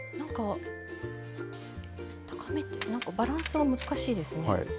高めってバランスが難しいですね。